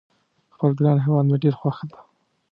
خپل ګران هیواد مې ډېر خوښ ده